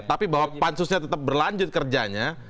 tapi bahwa pansusnya tetap berlanjut kerjanya